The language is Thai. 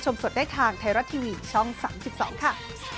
ช่อง๓๒ค่ะ